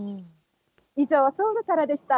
以上、ソウルからでした。